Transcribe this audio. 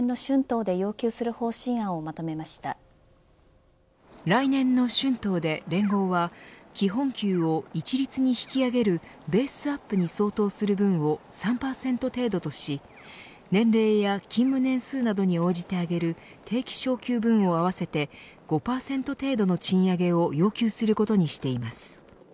連合はベースアップ相当分と５％程度の賃上げを来年の春闘で来年の春闘で連合は基本給を一律に引き上げるベースアップに相当する分を３％程度とし年齢や勤務年数分などに応じて上げる定期昇給分を合わせて５％程度の賃上げを要求することにしています。